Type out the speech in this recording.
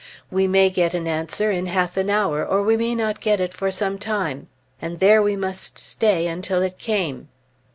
We may get an answer in half an hour, or we may not get it for some time; and there we must stay until it came.